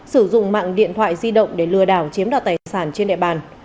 sử dụng mạng điện thoại di động để lừa đảo chiếm đạo tài sản trên đại bàn